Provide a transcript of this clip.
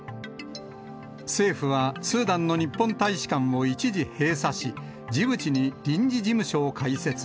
政府はスーダンの日本大使館を一時閉鎖し、ジブチに臨時事務所を開設。